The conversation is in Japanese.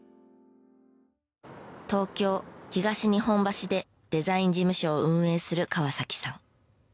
東京東日本橋でデザイン事務所を運営する川崎さん。